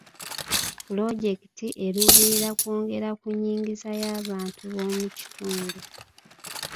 Pulojekiti eruubirira kwongera ku nnyingiza y'abantu b'omu kitundu.